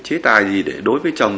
chế tài gì để đối với chồng